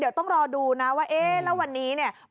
เดี๋ยวต้องรอดูนะว่าเอ๊ะแล้ววันนี้เนี่ย